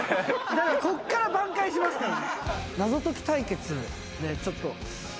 だからここから挽回しますから！